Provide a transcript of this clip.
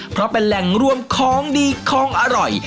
เพราะเป็นแหล่งรวมของดีของอร่อย